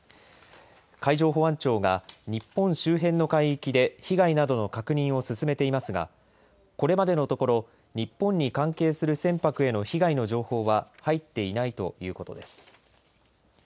海上保安庁が、日本周辺の海域で被害などの確認を進めていますがこれまでのところ日本に関係する船舶への被害の情報は入っていないということです。